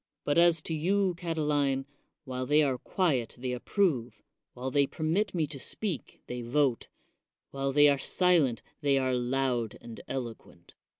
But as to you, Catiline, while they are quiet they approve, while they permit me to speak they vote, while they are silent they are loud and eloquent.